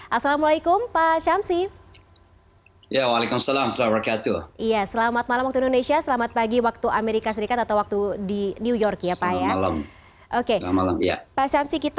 assalamualaikum pak shamsi